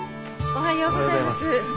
おはようございます。